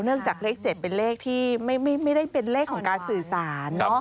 จากเลข๗เป็นเลขที่ไม่ได้เป็นเลขของการสื่อสาร